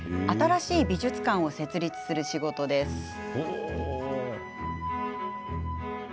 新しい美術館を設立する仕事です。